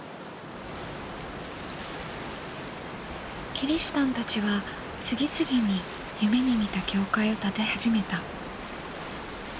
キリシタンたちは次々に夢に見た教会を建て始めた。